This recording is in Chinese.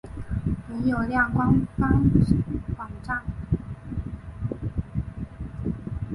伦永亮官方网站